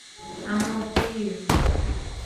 আম্মু, প্লিজ!